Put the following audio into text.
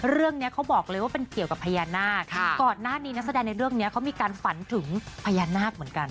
เรื่องนี้เขาบอกเลยว่าเป็นเกี่ยวกับพญานาคก่อนหน้านี้นักแสดงในเรื่องนี้เขามีการฝันถึงพญานาคเหมือนกัน